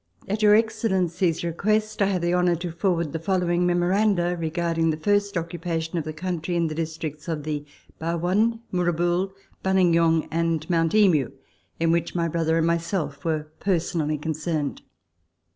At Your Excellency's request, I have the honour to forward the following memoranda regarding the first occupation of the country in the districts of the Barwon, Moorabool, Buninyong, and Mount Emu, in which my brother and myself were personally concerned.